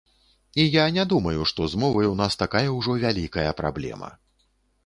І я не думаю, што з мовай у нас такая ўжо вялікая праблема.